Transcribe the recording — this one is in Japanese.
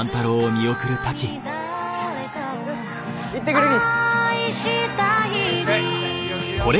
行ってくるき。